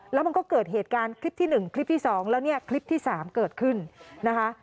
แล้วมันก็เกิดเหตุการณ์คลิปที่๑คลิปที่๒แล้วเนี่ยคลิปที่๓เกิดขึ้นนะคะ